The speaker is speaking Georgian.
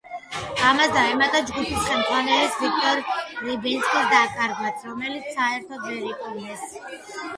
ამას დაემატა ჯგუფის ხელმძღვანელის ვიქტორ რიბინსკის დაკარგვაც რომელიც საერთოდ ვერ იპოვნეს.